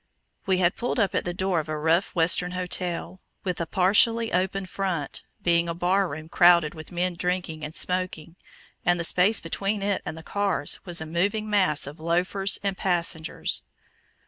We had pulled up at the door of a rough Western hotel, with a partially open front, being a bar room crowded with men drinking and smoking, and the space between it and the cars was a moving mass of loafers and passengers.